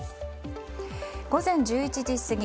午前１１時過ぎ